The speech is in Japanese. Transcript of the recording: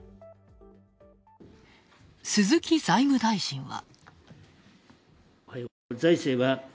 鈴木財務大臣は。